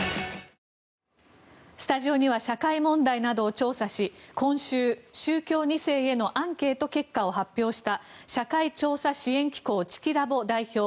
スタジオには社会問題などを調査し今週、宗教２世へのアンケート結果を発表した社会調査支援機構チキラボ代表